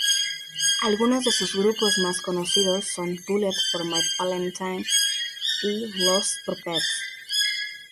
Algunos de sus grupos más conocidos son "Bullet For My Valentine" y "Lostprophets".